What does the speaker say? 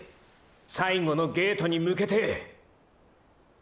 最後のゲートに向けて！！